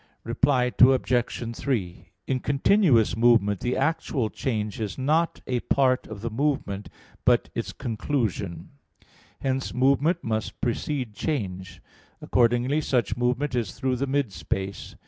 Reply Obj. 3: In continuous movement the actual change is not a part of the movement, but its conclusion; hence movement must precede change. Accordingly such movement is through the mid space.